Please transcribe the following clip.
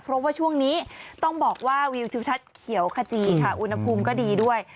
เพราะว่าช่วงนี้ต้องบอกว่าวิวทิวทัศน์เขียวขจีค่ะอุณหภูมิก็ดีด้วย